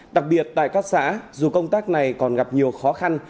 đặc biệt tại các xã dù công tác này còn gặp nhiều khó khăn